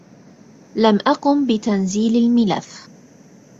لم أقم بتنزيل الملف.